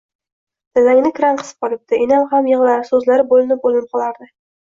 Dadangni kran qisib qolibdi, – enam ham yigʻlar, soʻzlari boʻlinib-boʻlinib qolardi.